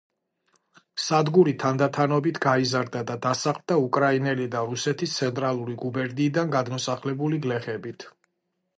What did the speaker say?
სადგური თანდათანობით გაიზარდა და დასახლდა უკრაინელი და რუსეთის ცენტრალური გუბერნიიდან გადმოსახლებული გლეხებით.